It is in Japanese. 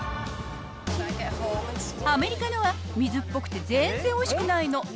アメリカのは水っぽくて全然おいしくないの。